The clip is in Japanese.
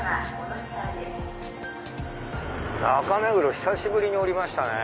中目黒久しぶりに降りましたね。